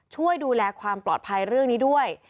ช่วยดูแลความปลอดภัยเรื่องนี้ด้วย